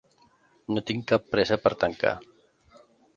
No tinc cap pressa per tancar.